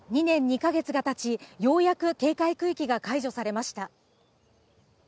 被災から２年２か月が経ち、ようやく警戒区域が解除されました。